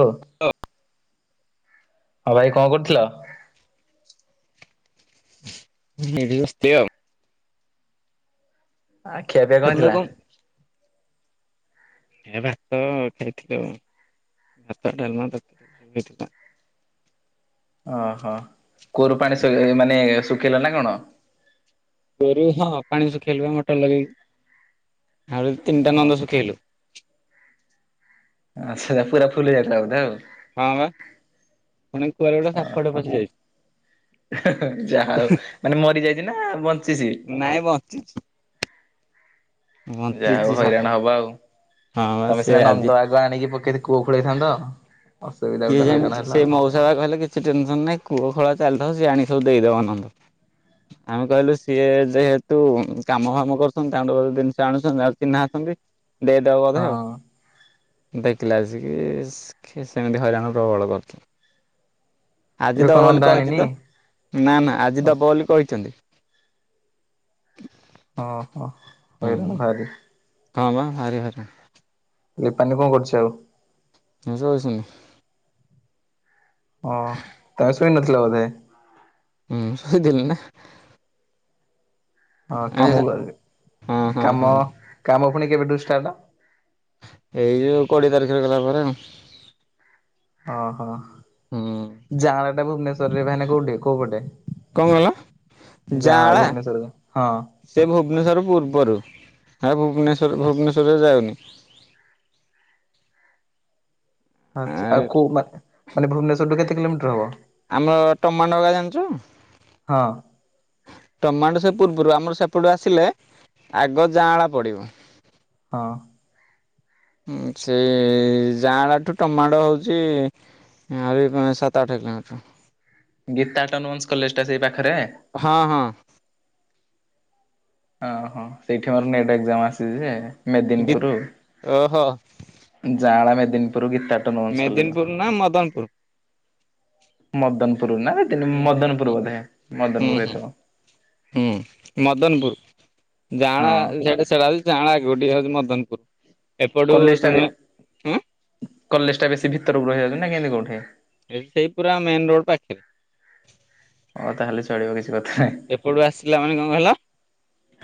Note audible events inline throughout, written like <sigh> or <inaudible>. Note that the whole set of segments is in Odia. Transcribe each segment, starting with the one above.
ଲୋ ହଁ, ଭାଇ କଣ କରୁଥିଲ? ଏଇଟି ବସିଥିବେ ଆଉ ଆଖି ଆଗେ ତମେ କଣ? ଏ ଭାତ ଖାଇଥିଲୁ ଆଉ। ଭାତ, ଡାଲମା <unintelligible> ଭତ୍ତା ଓହୋ! କୁଅରୁ ପାଣି ମାନେ ଶୁଖେଇଲ ନା କଣ? କୂଅରୁ ହଁ, ପାଣି ଶୁଖେଇଲୁ ବା ମଟର ଲଗେଇ ଆହୁରି ତିନିଟା ନନ୍ଦ ଶୁଖେଇଲୁ। ଆଚ୍ଛା! ପୁରା ଫୁଲ ହେଇଯାଇଥିଲା ବୋଧେ ଆଉ? ହଁ, ବା ମାନେ ପୁଣି କୁଅ ରେ ଗୋଟେ ସାପଟେ ପଶି ଯାଇଛି। ଯାହା ହଉ ମାନେ ମରି ଯାଇଛି ନା ବଞ୍ଚିଛି? ନାଇଁ ବ ଞ୍ଚିଚି। ଯାହା ବଞ୍ଚିଛି ହଉ ସାପ ହଇରାଣ ହବ ଆଉ ହଁ ବା ତମେ ସେ ସିନା ଆଜି ନନ୍ଦ ଆ ଗ ଆଣିକି ପକେଇକି କୂଅ ଖୋଳେଇଥାନ୍ତ ଅସୁବିଧା ଗୋଟେ ହଇରାଣ ହେଲ ଆଉ। ଯା କହିଲେ କିଛି ଟେନସନ ନାଇଁ କୂଅ ଖୋଳା ଚାଲିଥାଉ ସିଏ ଆଣି ସବୁ ଦେଇଦବ ନହେଲେ ଆମେ କହିଲୁ ସିଏ ଯେହେତୁ କାମ ଫାମ କରୁଛନ୍ତି ତାଙ୍କ ଟୁ ଜିନିଷ ଆଣୁଛନ୍ତି ଆଉ ଚିହ୍ନା ଅଛନ୍ତି ଦେଇଦବ ବୋଧେ ଆଉ ହଁ ଦେଖିଲା ଆସିକି ସେମିତି ହଇରାଣ ପ୍ରବଳ କରୁଛ, ଆଜି ଏବେ କଣ ଦବ ବୋଲି ନନ୍ଦା କହିଛି ଆଣିନି ତ, ନା, ନା ଆଜି ଦବ ବୋଲି କହିଚନ୍ତି। ଓହୋ! ହୁଁ ହଇରାଣ ଭାରି। ହଁ, ବା ଭାରି ହଇରାଣ। ଲିପାନୀ କଣ କରୁଛି ଆଉ? ବେସ୍ତ ଅଛନ୍ତି? ଓଁ ତମେ ଶୋଇ ନଥିଲ ବୋଧେ? ହୁଁ ଶୋଥିଲିନ ନା, ହଁ ଏ କାମକୁ ହଁ ହଁ ହଁ କାମ କାମ ପୁଣି କେବେଠୁଷ୍ଟାଟ? ଏଇ ଯୋଉ କୋଡିଏ ତାରିଖ ହେଇଗଲା ପରେ। ଓହୋ ଜାଗା ଟା ଭୁବନେଶ୍ୱରରେ ଭାନ କୋଉଠି କୋଉ ପଟେ? କଣ କହିଲ ଯାଣ ଯାଆଁଳା ଭୁବନେଶ୍ଵରରେ ହଁ, ସେ ଭୁବନେଶ୍ଵର ରୁ ପୂର୍ବରୁ ହ ଭୁବନେଶ୍ଵର ଭୁବନେଶ୍ଵରରେ ଯାଉନି। ଆଛା ଆଉ କୋଉ ମାନେ ଭୁବନେଶ୍ୱରୁ କେତେ କିଲୋମିଟର ହବ? ଆମ ଟମାନଗା ଜାଣିଛ? ହଁ ଟମାଟୋ ସେ ପୂର୍ବରୁ ଆମର ସେପଟୁ ଆସିଲେ ଆଗ ଜାଆଁଳା ପଡ଼ିବ। ହଁ। ସେଇ ଜାଆଁଳ ଠୁ ଟମାଟୋ ହଉଛି ଆହୁରି ଫୁଣି ସାତ ଆଠ କିଲୋମିଟର। ଗୀତା ଅଟୋନୋମସକଲେଜ ଟା ସେଇ ପାଖରେ? ହଁ ହଁ। ଓ ହୋ ସେଇଠି ମୋର ନେଟ ଏକ୍ଜାମ ଆସିଛି ଯେ ମେଦିନୀପୁର, ଓହୋ ଯାଲା Medinipur Gita autonomous college. Medinipur ନା ମଦନପୁର? ମଦନପୁର ନା ହୁଁ ହୁଁ ହୁଁ ମଦନପୁର ହୁଁ। ବୋଧେ ହୁଁ ମଦନପୁର ହୁଁ ହେଇଥିବ। ହୁଁ ମଦନପୁର ଯାଣା ହଁ ଯୋଉଠି ସେଲା ହେଉଛି ଜାଣା ଗୋଟେ ହଉଛି ମଦନପୁର। ଏପଟୁ କଲେଜ ଟା ତମେ ହୁଁ କଲେଜ ଟା ବେଶୀ ଭିତରକୁ ରହି ଯାଉଛି ନା କେମିତି କୋଉଠି? ଏ ସେଇ ପୁରା ମେନ ରୋଡ ପାଖରେ। ଓ ତାହେଲେ ଚଳିବ କିଛି କଥା ନାହିଁ ଏପଟୁ ଆସିଲା ମାନେ କଣ କିହିଲ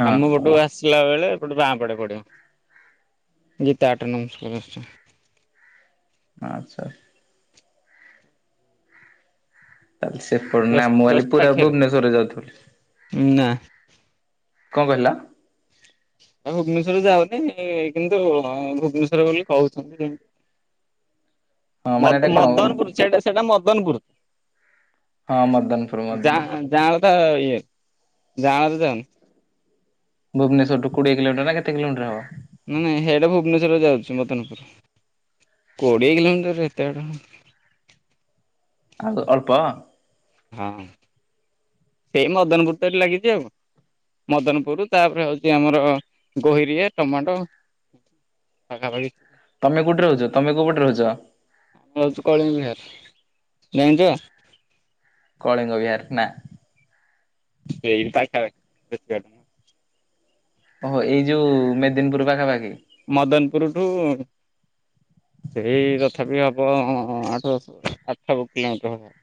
ହଁ ଆମ ପଟୁ ଆ ସିଲା ବେଳେ ଏପଟେ ବାଁ ପଡେ ପଡିବ ଗୀତା ଅଟୋ ନୋମସ୍ କଲେ ଆଚ୍ଛା। ତାଲେ ସେପଟ ଜଷ୍ଟ ନାମୁୱଲି ଜଷ୍ଟ ପୁରା ପାଖରେ ଭୁବନେଶ୍ୱର ରେ ଯାଉଥିଲି। ନା। କଣ କହିଲା? ଆଉ ଭୁବନେଶ୍ୱର ଯାଉନି କିନ୍ତୁ ଭୁବନେଶ୍ଵର ବୋଲି କହୁଛନ୍ତି। ହଁ ମାନେ ଏଇଟା କଣ ହଁ ମଦନପୁର ସେଟା ସେଟା ମଦନପୁର। ହଁ ମଦନପୁର ମଦନ ଯାଆଁଳ ତ ଇଏ ଯାଆଁଣ ତ ଯାଉନି। ଭୁବନେଶ୍ଵରଠୁ କୋଡିଏ କିଲୋମଟର ନା କେତେ କିଲୋମୀଟର ହବ? ନାଇଁ ସେଇଟା ଭୁବନେଶରରେ ଯାଉଚି ମଦନପୁର କୋଡିଏ କିଲୋମିଟରରେ ଏତେଡ ଆଉ ଅଳ୍ପ? ହଁ ସେଇ ମଦନପୁର ତ ଲାଗିଚି ଆଉ। ମଦନପୁର ତାପରେ ହଉଚି ଆମର ଗୋହିରିଆ ଟମାଣ୍ଡୋ। ପାଖା ପାଖି ତମେ କୋଉଠ ରହୁଚ ତମ କୋଉଠେ ରହୁଚ? ମୁଁ ରଉଚି କଳିଙ୍ଗ ବିହାର ଜାଣିଚୁ? କଳିଙ୍ଗ ବିହାର ନା। ସେଇପାଖା ପାଖ ସେତିକି ବାଟ। ଓହୋ ଏଇ ଯୋଉ ମେଦିନପୁର ପାଖାପାଖି। ମଦନପୁରଠୁ ସେଇ ତଥାପି ହବ ଆଠ ଆଠ କିଲୋମିିଟର।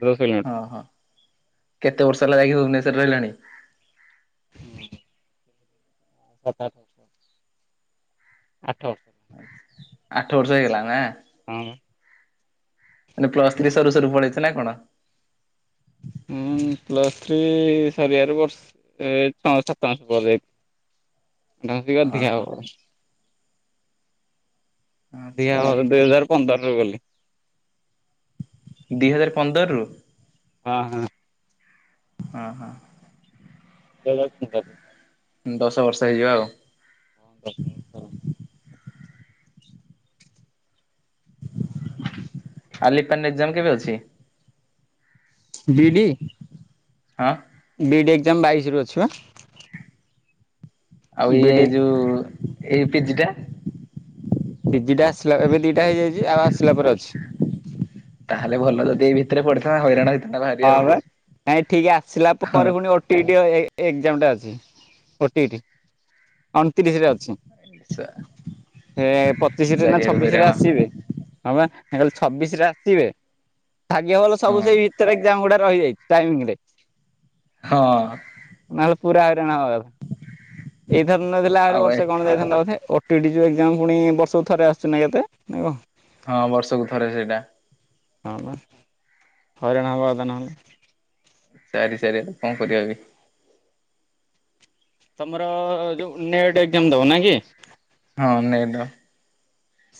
ଖେଳ ସଇଲାଣି? ହ ହଁ କେତେ ବର୍ଷ ହେଲା ଯାଇକି ଭୁବନେଶରରେ ରହିଲାଣି? <inaudible> ସାତ ଆଠ। ବର୍ଷ ଆଠ ବର୍ଷ। ଆଠ ବର୍ଷ ହେଇଗଲା ନା? ହଁ। ମାନେ ପ୍ଲସ୍ ଥ୍ରି ସରୁ ସରୁ ପଳେଇଚ ନା କଣ? ହୁଁ ପ୍ଲସ ଥ୍ରି ସରିବାରୁ ବର୍ଷ ଏ ଛ ସାତ ମାସ ପରେ ହଁ <unintelligible> ହଁ। ହେବ। ଆଚ୍ଛା ଅଧିକା ଆଚ୍ଛା ହ ଦୁଇ ହଜାର ପନ୍ଦର ରୁ ଗଲି। ଦି ହଜାର ପନ୍ଦର ରୁ? ହଁ ହଁ। ହଁ ହଁ। ଦୁଇ ହଜାର ପନ୍ଦର। ହୁଁ ଦଶ ବର୍ଷ ହେଇଯିବ ଆଉ। ଅ ହଁ। ଆଲି ପାନ୍ ଏକଜାମ୍ କେବେ ଅଛି? ବିି ଇ ଡି? ହଁ। ବି ଇ ଡି ଏକଜାମ୍ ବାଇଶି ରୁ ଅଛି ପା? ଆଉ ଏଇ ବିଇଡି ଏଇ ଯୋଉ ଏଇ ପି ଜି ଟା? ପି ଜି ଟା ଆସିଲା ଏବେ ଦି ଟା ହେଇଯାଇଚି ଆଉ ଆସିଲା ପରେ ଅଛି। ତାହେଲେ ଭଲ ଯଦି ଏଇ ଭିତେରେ ପଡ଼ିଥାନ୍ତା ହଇରାଣ ହେଇଥା ହଁ ପା ନାଇଁ ଠିକ୍ ଆସିଲା ହଁ ପରେ ଫୁଣି ଓ ଟି ଇ ଟି ହ ହେଇ ଏକ୍ସାମ୍ ଟା ଅଛି। ଓ ଟି ଇ ଟି। ଅଣତିରିଶରେ ଅଛି। ହେ ପଚିଶି ରେ ନା ଚାରିଆଡୁ ଛବିଶି ରେ ହଇରାଣ ଆସିବେ। ହଁ ପା ମୁଁ କହିଲି ଛବିଶି ରେ ଆସିବେ ଭାଗ୍ୟ ଭଲ ହଁ ସବୁ ସେଇ ଭିତରେ ଏକ୍ସାମ୍ ଗୁଡ଼ା ହେ ରହିଯାଇଚି ଟାଇମ ରେ। ହଁ। ନହେଲେ ପୁରା ହଇରାଣ ହବା କଥା। ଏଇ ଥର ନ ଦେଲେ ଆହୁରି ଆଉ ଏ ବର୍ଷେ କଣ ଯାଇଥାନ୍ତ ବୋଧେ? ତିଡି ଯଉ ଏକଜାମ ପୁଣି ବର୍ଷକୁ ଥରେ ଆସୁଚି ନା ବୋଧେ। ହଁ ବର୍ଷକୁ ଥରେ ସେଇଟା। ହଁ ପା ହଇରାଣ ହବା କଥା ନହେଲେ। <unintelligible> ତମର ଯୋଉ ନେଟ୍ ଏକ୍ସାମ୍ ଦବ ନା କି? ହଁ ନେଟ୍।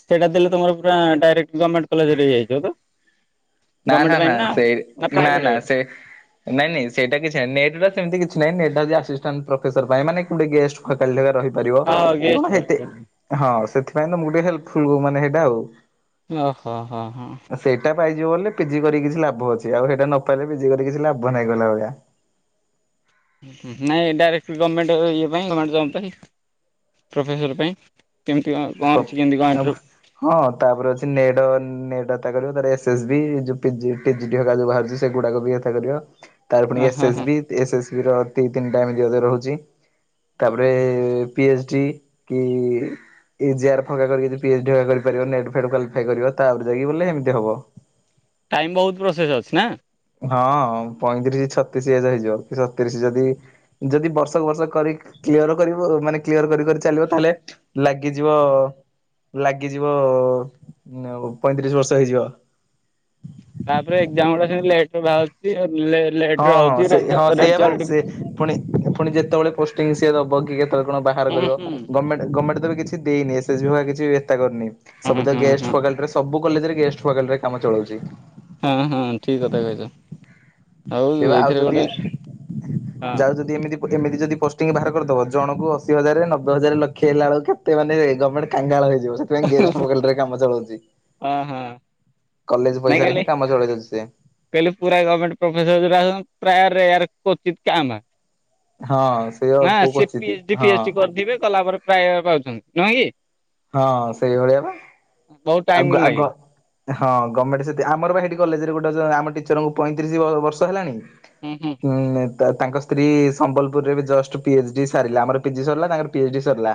ସେଇଟା ଦେଲେ ତମ ପୁରା ଡାରେକ୍ଟ ଗମେଣ୍ଟ କଲେଜ୍ ରେ ହେଇଯାଇ ଥିବ ତ? ନା ଗଭର୍ଣ୍ଣମେଣ୍ଟ ନା ପାଇଁ ନା ସେ ନା ପ୍ରାଇଭେଟ ନା ଏଗୁଡା? ସେ ନାଇଁ ନାଇଁ ସେଇଟା କିଛି ନାଇ ନେଟ୍ ଟା ସେମିତି କିଛି ନାଇଁ ନେଟ୍ ହୋଉଛି ଆସିଷ୍ଟାଣ୍ଟ ପ୍ରଫେସର ପାଇଁ ମାନେ କୋଉଠି ଗେଷ୍ଟ୍ ହଁ କାଲି ଟା ପା ରହିପାରିବ ହଁ କି ଗେଷ୍ଟ କଣ ହେତେ ପାଇଁ। ହଁ ସେଥିପାଇଁ ତ ମୁଁ ଟିକେ ହେଲ୍ପ ଫୁଲ୍କ ମାନେ ହେଇଟା ଆଉ। ଅ ହୋ ହୋ ହ। ସେଇଟା ପାଇଯିବ ବୋଲି ପିଜି କରିକି କିଛି ଲାଭ ଅଛି। ଆଉ ହେଇଟା ନ ପାଇଲେ ପିଜି କରିକି କିଛି ଲାଭ ନାହିଁ କହିଲା ଭଳିଆ। ନାଇଁ ଡାଇରେକ୍ଟ ବି ଗମେଣ୍ଟ ଇଏ ପାଇଁ ଗମେଣ୍ଟ ଜବ୍ ପାଇଁ। ପ୍ରଫେସର ପାଇଁ କେମିତି କଅଁ? କହ ଆଉ। ହଁ ତାପରେ ଅଛି ନେଟ ନେଟ୍ ଡାଟା କରୁ ତାର ଏସ ଏସ୍ ବି ଯୋଉ ପି ପି ଜି ଡି ହେରିକା ଯୋଉ ବାହାରୁଛି। ସେଗୁଡ଼ାକଭି ଏଟାକରିବ। ତାର ଫୁଣି ହଁ ଏସ୍ ହଁ ଏସ୍ ହଁ ବି ଏସ୍ ଏସ୍ ବି ର ଦି ତିନିଟା ଏମିତି ଅଧାରେ ରହୁଛି। ତାପରେ ପି ଏଚ୍ ଡି କି ଏ ଜେ ଆର୍ ଫାଙ୍କା କରିକି ଯଦି ଏସ ଡି ଆର୍ କରିପାରିବ ନେଟ୍ ଫେଟ୍ କ୍ୱାଲିଫାଏ କରିବ ତାପରେ ଯାଇକି ବୋଲେ ଏମିତି ହବ। ଟାଇମ୍ ବୋହୁତ୍ ପ୍ରୋସେସ୍ ଅଛି ନା? ହଁ ପଇଁତିରିଶ ଛତିଶ ହଜାର ହେଇଯିବ। କି ଛତିରିଶ ଯଦି ଯଦି ବର୍ଷକୁ ବର୍ଷ କରି କ୍ଲିୟର କରିବ ମାନେ କ୍ଲିୟର କରି କରି ଚାଲିବ ତାହେଲେ ଲାଗିଯିବ, ଲାଗିଯିବ ପଇଁତିରିଶ ବର୍ଷ ହେଇଯିବ। ତାପରେ ଏକ୍ଜାମ ଗୁଡ଼ା ସେମତି ଲେଟରେ ବାହାରୁଛି ଲେ ହଁ ଲେଟରେ ହଁ ହଉଛି ସେ ରେଜ୍ ହଁ ସେଇଆ ବା ରେଜଲଟ୍ ସେ ପୁଣି ପୁଣି ଯେତେବେଳେ ପୋଷ୍ଟିଂ ସିଏ ଦବ କି କେତେବେଳେ କଣ ବାହାର ହୁଁ କରିବ ହୁଁ ଗମେଟ୍ ଗବମେଟ୍ କିଛି ଦେଇନି ଏ ସ ବି କିଛି ଏଥା କରିନି ହୁଁ ସବୁ ତ ହୁଁ ହୁଁ ଗେଷ୍ଟ ଫଗଲ ଦେ ସବୁ କଲେଜରେ ଗେଷ୍ଟ ଫଗଲରେ କାମ ଚଳାଉଛି। ହୁଁ ହୁଁ ଠିକ୍ କଥା କହିଛ। ତବେ ଆଉ ଏଇଥିରେ ଯଦି ଗୋଟେ ହଁ ଯାଉ ଯଦି ଏମିତି ଏମିତି ଯଦି ପୋଷ୍ଟିଂ ବାହାର କରିଦବ ଜଣକୁ ଅଶୀ ହଜାରରେ, ନବେ ହଜାର, ଲକ୍ଷ ହେଲା ବେଳକୁ କେତେ ମାନେ ଗମେଣ୍ଟ କାଙ୍ଗାଳ ହେଇଯିବ। ସେଥିପାଇ ଗେଷ୍ଟ ଫଗଲରେ କାମ ଚଳଉଛି। ହଁ ହଁ କଲେଜ ନାଇଁ ପଇସାରେ ହିଁ କାମ ଚଳେଇ ଦଉଛି ସିଏ। କହିଲି ପୁରା ଗମେଣ୍ଟ ପ୍ରଫେସର ଯୋଉଟା ଆସନ୍ତି ପ୍ରାୟ ରେଆର୍ କୋଚିତ୍ କା ମା। ହଁ ସେ ଆଉ ନା କୋଉ ସିଏ କୋଚିତି ପିଏଚ ଡି, ଫି ହଁ ଏଚ ଡି କରିଥିବେ କଲା ପରେ ପ୍ରାୟ ପାଉଛନ୍ତି। ନୁହେଁ କି? ହଁ ସେଇଭଳିଆ ବା ବହୁତ ଆଉ ଟାଇମ ଗ ଆଉ ଗ ଲାଗିବ ହଁ ଗମେଣ୍ଟ ସେ ଆମର ସେଠି କଲେଜରେ ଗୋଟେ ଅଛ ଆମ ଟିଚରଙ୍କୁ ପଇଁତିରିଶ ବ ବର୍ଷ ହେଲାଣି ହୁଁ <unintelligible> ହୁଁ। ଉଁ ତାଙ୍କ ସ୍ତ୍ରୀ ସମ୍ବଲପୁରରେ ବି ଜଷ୍ଟ ପି ଏଚ ଡି ସାରିଲେ। ଆମର ପି ଜି ସରିଲା ତାଙ୍କର ପି ଏଚ ଡି ସରିଲା।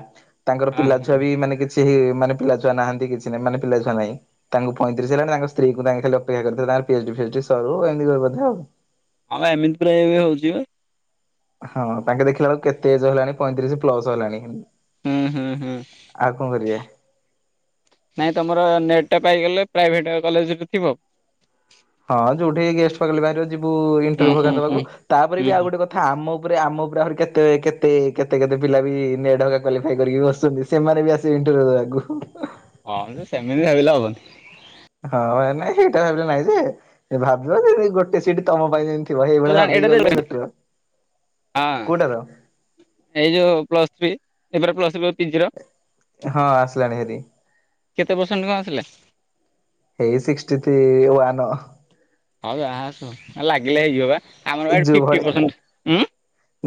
ତାଙ୍କର ହଁ ହଁ ପିଲାଛୁଆ ବି ମାନେ କିଛି ମାନେ ପିଲାଛୁଆ ନାହାନ୍ତି କିଛି ନାଇ ମାନେ ପିଲା ଛୁଆ ନାଇଁ। ତାଙ୍କୁ ପଇଁତିରିଶ ହେଲାଣି ତାଙ୍କ ସ୍ତ୍ରୀଙ୍କୁ ତାଙ୍କ ଖାଲି ଅପେକ୍ଷା କରିଥା ତାଙ୍କର P H D, fee H D ସରୁ ଏମତି ବୋଧେ ଆଉ। ହଁ ଏମିତି ପ୍ରାଏ ଏବେ ହଉଛି ବା। ହଁ ତାଙ୍କେ ଦେଖିଲା ବେଳକୁ କେତେ ଏଜ ହେଲାଣି ପଇଁତିରିଶ ପ୍ଲସ ହେଲାଣି। ହୁଁ ହୁଁ ହୁଁ। ଆଉ କଣ କରିବା? ନାଇଁ ତମର ନେଟ୍ ଟା ପାଇଗଲେ ପ୍ରାଇଭେଟ କଲେଜରେ ଥିବ? ହଁ ଯୋଉଠି ଗେଷ୍ଟ ଫଗଲ୍ ବାହାରିବ ଯିବୁ ହୁଁ ଇଣ୍ଟର୍ବିଉ ଘରିକା ହୁଁ ହୁଁ ଦବାକୁ ତାପରେ ବି ଆଉ ହୁଁ ଗୋଟେ କ ଥା ଆମ ଉପରେ ଆମ ଉପରେ ଆହୁରି କେତେ କେତେ କେତେ କେତେ ପିଲା ବି ନେଟ୍ ହରିକା କ୍ୱାଲିଫାଏ କରିକି ବସିଛନ୍ତି। ସେମାନେ ବି ଆସିଏ ଇଣ୍ଟରବିଉ ଦେବାକୁ। ହଁ ମ ସେମିତି ଭାବିଲେ ହବନି। ହଁ ନାଇଁ ସେଇଟା ଭାବିଲେ ନାଇଁ ଯେ ଭାବିବ ଯେ ଗୋଟେ ସିଟ୍ ତମ ପାଇଁ ଯେ ସେଇଭଳିଆ ଭାବିକି ଏଇଟାରେ ଗଲେ ବେଟର। ହଁ କୋଉଟା ର? ଏଇ ଯୋଉ ପ୍ଲସ ଥ୍ରୀ ଏ ପ୍ଲସ ଥ୍ରୀ କହୁଛି ପିଜିର। ହଁ ଆସିଲାଣି ହେରି କେତେ ପରସେଣ୍ଟ କଣ ଆସିଲା? ଏଇ ସିକ୍ସଟି ଥ୍ରୀ ୱାନ୍। ହଉ ଆସ ଲାଗିଲେ ହେଇଯିବ ବା। ଆମର ବା ଏଠି ଯୋ ଫିଫ୍ଟି ଭଳି ପରସେଣ୍ଟ। ଉଁ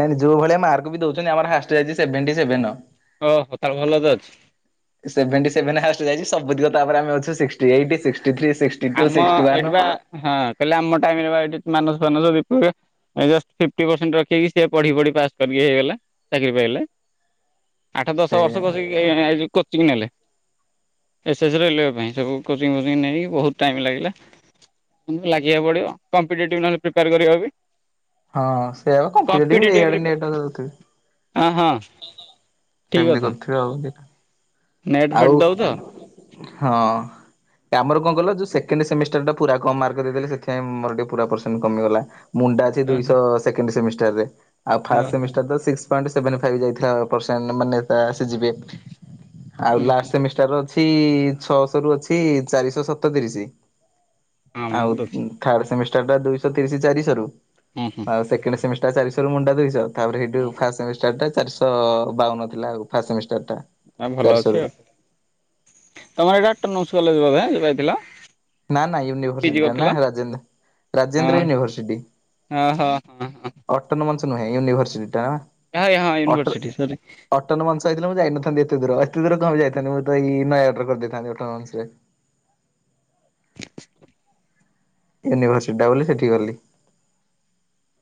ନାଇଁ ଯୋଉ ଭଳିଆ ମାର୍କ ବି ଦଉଛନ୍ତି ଆମର ହାଇଏଷ୍ଟ ଯାଇଛି ସେଭେନଟି ସେଭେନ। ଓହୋ ତାକୁ ଭଲ ତ ଅଛି। ସେଭେନଟି ସେଭେନ ହାଏଷ୍ଟ୍ ଯାଇଚି। ସବୁତକ ତାପରେ ଆମେ ଅଛୁ ସିକ୍ଟୀ ଏଇଟ୍, ସିକ୍ଟି ଥ୍ରି, ସିକ୍ ଆମ ଏଠି ବା ହଁ କହିଲେ ଆମ ଟାଇମରେ ବା ଏଠି ମାନସ ଫାନସ ବିପ ଜଷ୍ଟ ଫିଫ୍ଟି ପରସେଣ୍ଟ ରଖିକି ସିଏ ପଢି ପଢି ପାସ୍ କରିକି ହେଇଗଲା ଚାକିରି ପାଇଲା। ଆଠ ଦଶ ସେଇଆ ବର୍ଷ କସିକି କୋଚିଂ ନେଲେ ଏସ୍ଏସ୍, ରେଲୱେ ପାଇଁ ସବୁ କୋଚିଂ ଫୋଚିଂ ନେଇକି ବହୁତ ଟାଇମ୍ ଲାଗିଲା। ଲାଗିବାକୁ ପଡ଼ିବ କମ୍ପିଟେଟିଭ୍ ନହେଲେ ପ୍ରିପେୟାର କରିବ ବି ହଁ ସେଇଆ ପା କମ୍ପିଟେଟିଭ କମ୍ପିଟେଟିଭ୍ ଏଇଆଡେ ପ୍ରିପେୟାର ନେଟ ତଥାପି ହଁ ହଁ। ଠିକ୍ ସେମିତି କଥା। କରିଥିବେ ଆଉ ଦିଟା। ନେଟ୍ ଆଉ ଫେଟ୍ ଦଉ ତ? ହଁ। ଆମର କଣ କହିଲ ଯୋଉ ସେକେଣ୍ଡ ସେମିଷ୍ଟର ଟା ପୁରା କମ ମାର୍କ ଦେଇଦେଲେ। ସେଥିପାଇଁ ମୋର ଟିକେ ପୁରା ପରସେଣ୍ଟ କମିଗଲା। ମୁଣ୍ଡା ଅଛି ହଁ ଦୁଇଶ ସେକେଣ୍ଡ ସେମିଷ୍ଟାର ରେ ଆଉ ଫାଷ୍ଟ ସେମିଷ୍ଟାର ତ ସିକ୍ସ ସେଭେନ ଫାଇଭ ଯାଇଥିଲା ପର୍ସେଣ୍ଟ ମାନେ ତା ସି ଜି ପି ଏ। ଆଉ ଲାଷ୍ଟ ସେମିଷ୍ଟାର ଅଛି ଛଅଶହ ରୁ ଅଛି ଚାରିଶହ ସତତିରିଶ। ଆଉ ମୋର ଦଉଛି ଥାର୍ଡ ସେମିଷ୍ଟାରଟା ଦୁଇଶହ ତିରିଶ ଚାରିଶ ରୁ ହୁଁ ଆଉ ସେକଣ୍ଡ ସେମି ଟା ଚାରିଶହରୁ ମୁଣ୍ଡା ଦୁଇଶହ ତାପରେ ସେଇଠୁ ହୁଁ। ଫାଷ୍ଟ ସେମିଷ୍ଟାରଟା ଚାରିଶ ବାଉନ ଥିଲା ଆଉ ଫାଷ୍ଟ ସେମିଷ୍ଟାର ଟା ଭଲ ଅଛି ଚାରିଶହରୁ ଆଉ ତମର ଏଇଟା ଅଟୋନୋମସ କଲେଜ ବୋଧେ ଥିଲା? ନା ନା ୟୁନିଭର୍ସିଟିଟା ନା ରାଜେନ୍ଦ୍ର ହଁ ରାଜେନ୍ଦ୍ର ୟୁନିଭରସିଟି ହଁ ହଁ ହଁ। ଅଟୋନୋମସ ନୁହେଁ ୟୁନିଭରସିଟି ଟା ନା ହଁ ହଁ ୟନଭର୍ସିଟି ସରି। ଅଟୋନୋମସ ହେଇଥିଲେ ମୁଁ ଯାଇଥାନ୍ତି ଏତେ ଦୂର ଏତେ ଦୂର କଣ ବି ଯାଇଥାନ୍ତି ମୁଁ ତ ଏଇ ନୟାଗଡ଼ ରେ କରିଦେଇଥାନ୍ତି ଅଟୋନୋମସ ରେ। ୟୁନିଭର୍ସିଟିଟା ବୋଲି ସେଠିକୁ ଗଲି।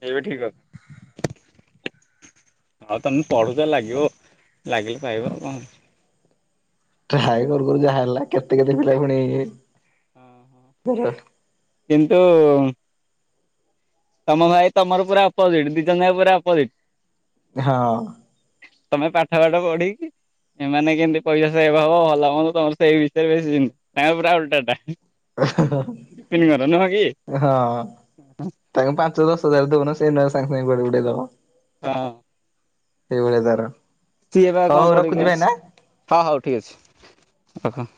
ଇଏବି ଠିକ କଥା। ହଉ ତମେ ପଢୁଛ ଲାଗିବ ଲାଗିଲେ ପାଇବ ଆଉ କଣ? ଟ୍ରାଏ କରୁ କରୁ ଯାହା ହେଲା କେତେ କେତେ ପିଲା ପୁଣି କିନ୍ତୁ ତମ ଭାଇ ତମର ପୁରା ଅପୋଜିଟ ଦିଜନ ପୁରା ଅପୋଜିଟ। ହଁ ତମେ ପାଠ ପାଠ ପଢେଇକି ଏମାନେ କେମିତି ପଇସା ସେଭ ହବ ଭଲମନ୍ଦ ତମର ସେଇ ବିଷୟରେ ବେଶୀ ତା ପୁରା ଓଲ୍ଟା ଟା। <unintelligible> ନୁହଁ କି? ତୁ ଦଶ ହଜାର ଦଉନ ସାଙ୍ଗେ ସାଙ୍ଗେ କୁଆଡେ ଉଡ଼େଇଦବ। ହଁ। ଏଇଭଳିଆ ତାର ସିଏ ବା ହଉ କଣ ହଉ ପଢିକି ରଖୁଛି ଅଛି ଭାଇନା। ହଁ ହଉ ଠିକ୍ ଅଛି ରଖ।